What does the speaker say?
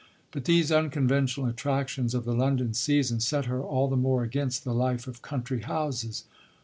But these unconventional attractions of the London season set her all the more against the life of country houses.